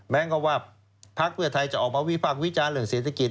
ก็ว่าพักเพื่อไทยจะออกมาวิพากษ์วิจารณ์เรื่องเศรษฐกิจ